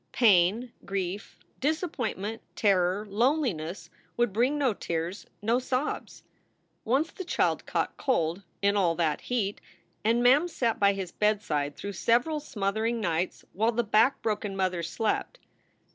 Pain, grief, disappointment, terror, loneli ness would bring no tears, no sobs. Once the child caught cold in all that heat! and Mem sat by his bedside through several smothering nights, while the back broken mother slept.